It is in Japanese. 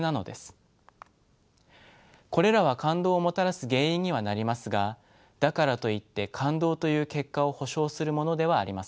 これらは感動をもたらす原因にはなりますがだからといって感動という結果を保証するものではありません。